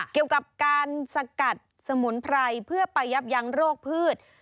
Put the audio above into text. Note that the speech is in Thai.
เกี่ยวกับการสกัดสมุนไพรเพื่อไปยับยั้งโรคพืช